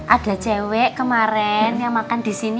ada cewek kemaren yang makan disini